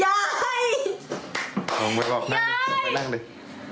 ยายอันนี้ยายเอาจริงยายไม่แสดงนะเนี่ย